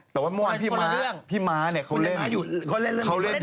แต่ว่าเมื่อวานพี่มาเนี่ยเขาเล่นอยู่ในกลาง